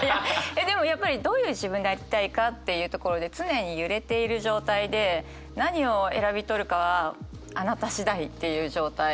でもやっぱりどういう自分でありたいかっていうところで常に揺れている状態で何を選び取るかはあなた次第っていう状態。